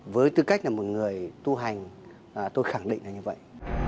với tư cách là một người tu hành tôi khẳng định là như vậy